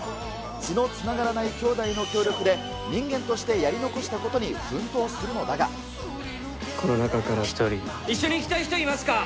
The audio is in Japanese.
血のつながらないきょうだいの協力で、人間としてやり残したことこの中から１人、一緒に行きたい人いますか？